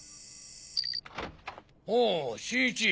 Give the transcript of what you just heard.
おう新一。